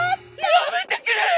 やめてくれ！